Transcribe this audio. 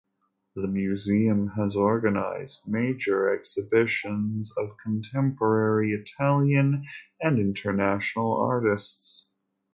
The Museum has organized major exhibitions of contemporary Italian and international artists.